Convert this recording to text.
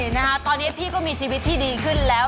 นะคะตอนนี้พี่ก็มีชีวิตที่ดีขึ้นแล้ว